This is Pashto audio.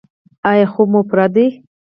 ایا خوب مو پوره دی؟